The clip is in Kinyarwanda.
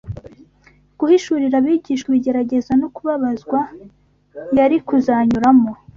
guhishurira abigishwa ibigeragezo no kubabazwa yari kuzanyuramo